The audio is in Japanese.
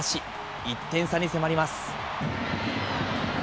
１点差に迫ります。